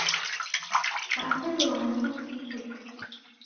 وأعتذر عن رخصِ الهدي